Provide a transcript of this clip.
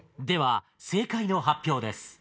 では正解の発表です。